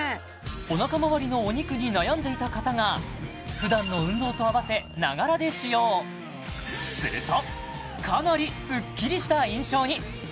お腹周りのお肉に悩んでいた方が普段の運動と併せながらで使用するとかなりスッキリした印象に！